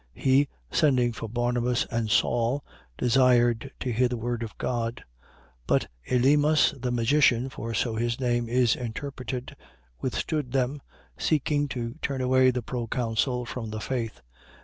He, sending for Barnabas and Saul, desired to hear the word of God. 13:8. But Elymas the magician (for so his name is interpreted) withstood them, seeking to turn away the proconsul from the faith.